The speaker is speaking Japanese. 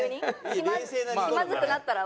気まずくなったら？